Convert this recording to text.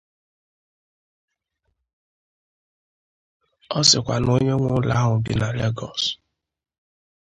Ọ sịkwa na onye nwe ụlọ ahụ bi na Lagos